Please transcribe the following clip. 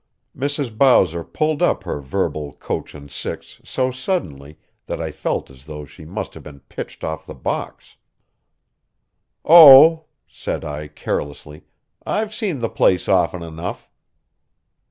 Mrs. Bowser pulled up her verbal coach and six so suddenly that I felt as though she must have been pitched off the box. "Oh," said I carelessly, "I've seen the place often enough."